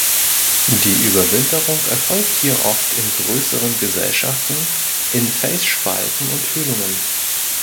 Die Überwinterung erfolgt hier oft in größeren Gesellschaften in Felsspalten und Höhlungen.